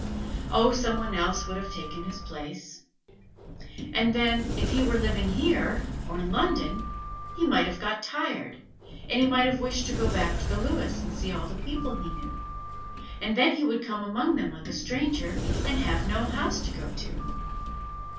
"Oh, some one else would have taken his place." "And then, if he were living here, or in London, he might have got tired, and he might have wished to go back to the Lewis and see all the people he knew; and then he would come among them like a stranger, and have no house to go to."